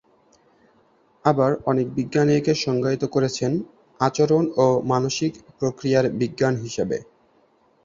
আবার অনেক বিজ্ঞানী একে সংজ্ঞায়িত করেছেন "আচরণ ও মানসিক প্রক্রিয়ার বিজ্ঞান" হিসেবে।।